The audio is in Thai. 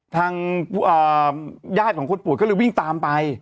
ทางญาติของคนป่วยก็เลยวิ่งตามไป